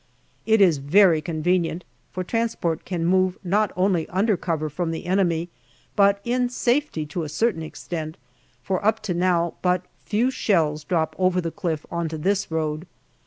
It is very convenient, for transport can move not only under cover from the enemy, but in safety to a certain extent, for up to now but few shells drop over the cliff on to this road.